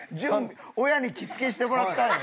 親に着付けしてもらったんやで。